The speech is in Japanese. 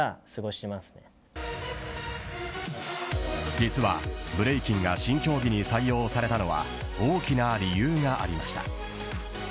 実はブレイキンが新競技に採用されたのは大きな理由がありました。